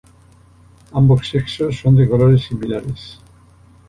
Ambos sexos son de colores similares.